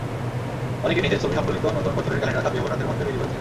অনেকে নিজের ছবিসংবলিত নতুন বছরের ক্যালেন্ডার ছাপিয়ে ভোটারদের মধ্যে বিলি করেছেন।